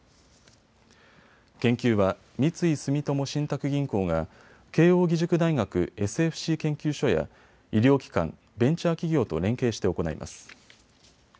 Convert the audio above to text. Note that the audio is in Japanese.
研究は三井住友信託銀行が慶應義塾大学ＳＦＣ研究所や医療機関、ベンチャー企業と連携して行います。